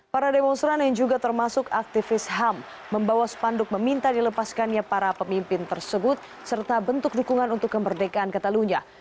para demonstran yang juga termasuk aktivis ham membawa spanduk meminta dilepaskannya para pemimpin tersebut serta bentuk dukungan untuk kemerdekaan katalunya